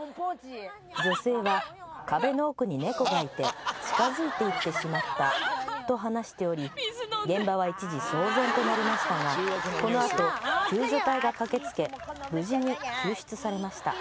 女性は壁の奥に猫がいて近づいていってしまったと話しており現場は一時騒然となりましたがこの後救助隊が駆け付け無事に救出されました。